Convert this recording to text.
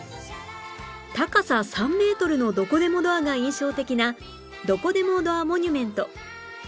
高さ３メートルのどこでもドアが印象的などこでもドアモニュメント